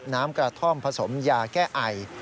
น้ำกระท่อมผสมยาแก้ไอ